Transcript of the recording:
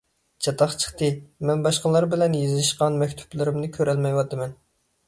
چاتاق چىقتى. مەن باشقىلار بىلەن يېزىشقان مەكتۇپلىرىمنى كۆرەلمەيۋاتىمەن.